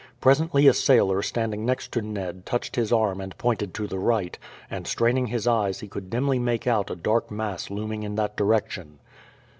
Presently a sailor standing next to Ned touched his arm and pointed to the right, and straining his eyes he could dimly make out a dark mass looming in that direction.